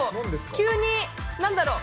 急に、なんだろう？